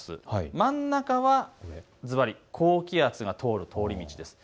真ん中はずばり、高気圧の通り道です。